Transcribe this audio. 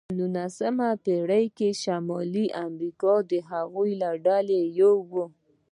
په نوولسمه پېړۍ کې شمالي امریکا د هغوی له ډلې یوه وه.